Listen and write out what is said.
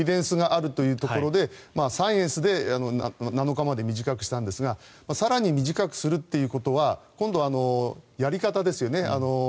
基本的には７日にしたのはエビデンスがあるというところでサイエンスで７日まで短くしたんですが更に短くするということは今度やり方ですよね。